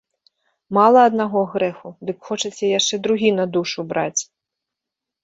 Мала аднаго грэху, дык хочаце яшчэ другі на душу браць!